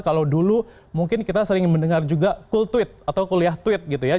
kalau dulu mungkin kita sering mendengar juga cool tweet atau kuliah tweet gitu ya